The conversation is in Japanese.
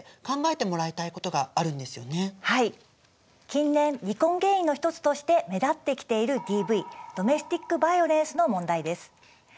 近年離婚原因の一つとして目立ってきているＤＶドメスティック・バイオレンスの問題です。